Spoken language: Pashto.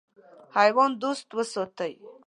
حیوان دوست وساتئ.